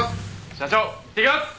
社長いってきます！